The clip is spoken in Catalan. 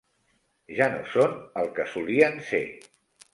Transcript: Ja no són el que solien ser!